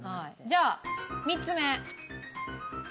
じゃあ３つ目。